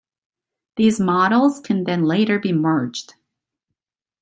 These models can then later be merged.